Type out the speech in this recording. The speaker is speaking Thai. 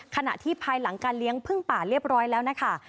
ขณะที่ภายหลังการเลี้ยงพึ่งป่าเรียบร้อยแล้วนะคะ